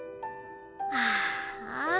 ああ。